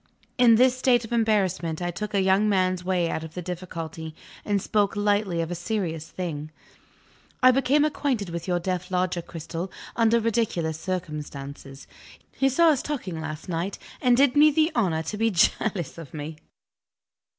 In this state of embarrassment I took a young man's way out of the difficulty, and spoke lightly of a serious thing. "I became acquainted with your deaf Lodger, Cristel, under ridiculous circumstances. He saw us talking last night, and did me the honor to be jealous of me."